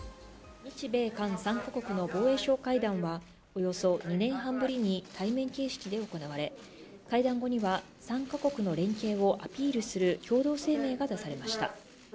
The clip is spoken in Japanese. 日米３か国の防衛相会談は、およそ２年半ぶりに対面形式で行われ、会談後には３か国の連携をアピールする共同声明が出されました。